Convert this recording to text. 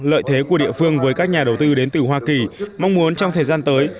lợi thế của địa phương với các nhà đầu tư đến từ hoa kỳ mong muốn trong thời gian tới